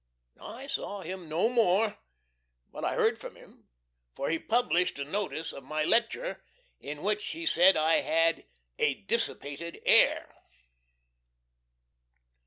I saw him no more, but I heard from him. For he published a notice of my lecture, in which he said I had A DISSIPATED AIR!